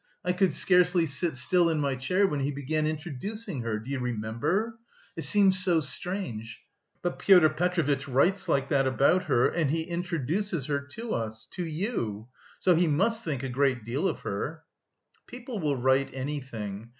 I could scarcely sit still in my chair when he began introducing her, do you remember? It seems so strange, but Pyotr Petrovitch writes like that about her, and he introduces her to us to you! So he must think a great deal of her." "People will write anything.